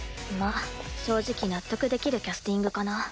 まっ正直納得できるキャスティングかな。